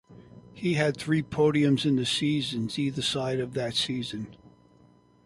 He had three podiums in the seasons either side of that season.